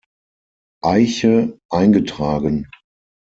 Eiche“ eingetragen.